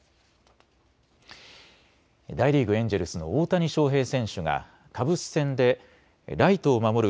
大リーグ、エンジェルスの大谷翔平選手がカブス戦でライトを守る